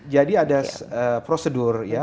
jadi ada prosedur ya